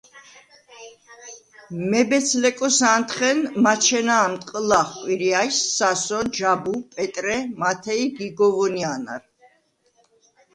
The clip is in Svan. მებეც-ლეკოსა̄ნდხენ მაჩენა̄მდ ყჷლახ კვირიაჲს სასო, ჯაბუ, პეტრე, მათე ი გიგო ვონია̄ნარ.